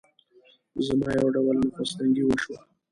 زما يو ډول نفس تنګي وشوه.